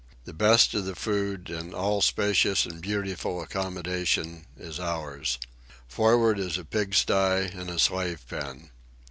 The best of the food and all spacious and beautiful accommodation is ours. For'ard is a pig sty and a slave pen.